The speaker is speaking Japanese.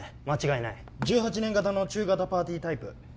間違いない１８年型の中型パーティータイプ